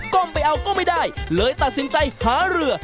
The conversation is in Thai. ้มไปเอาก็ไม่ได้เลยตัดสินใจหาเรือ